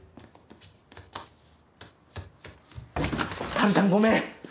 春ちゃんごめん！